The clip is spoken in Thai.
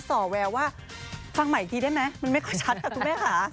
ส่อแววว่าฟังใหม่อีกทีได้ไหมมันไม่ค่อยชัดค่ะคุณแม่ค่ะ